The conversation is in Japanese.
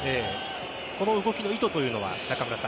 この動きの意図というのは？